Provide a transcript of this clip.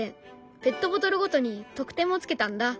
ペットボトルごとに得点もつけたんだ。